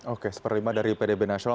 oke satu per lima dari pdb nasional